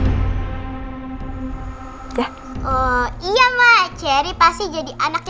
ceri pasti jadi anaknya